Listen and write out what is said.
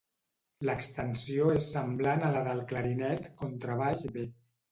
L'extensió és semblant a la del clarinet contrabaix B.